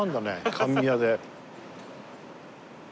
甘味屋で。